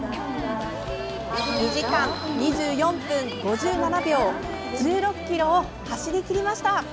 ２時間２４分５７秒１６ｋｍを走りきりました！